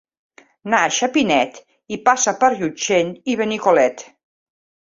Naix a Pinet i passa per Llutxent i Benicolet.